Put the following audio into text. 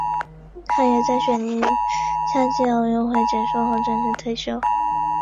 他也在雪梨夏季奥运结束后正式退休。